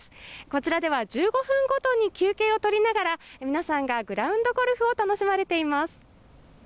こちらでは１５分ごとに休憩を取りながら皆さんがグラウンドゴルフを楽しまれています。